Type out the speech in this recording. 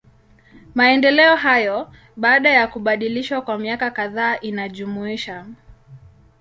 Maendeleo hayo, baada ya kubadilishwa kwa miaka kadhaa inajumuisha.